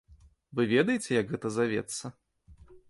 Вы ведаеце, як гэта завецца?